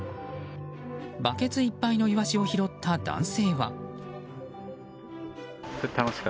バケツいっぱいのイワシを拾った男性は。